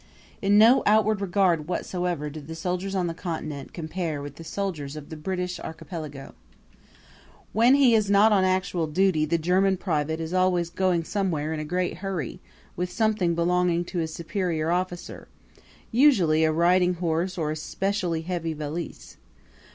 In no outward regard whatsoever do the soldiers on the Continent compare with the soldiers of the British archipelago. When he is not on actual duty the German private is always going somewhere in a great hurry with something belonging to his superior officer usually a riding horse or a specially heavy valise.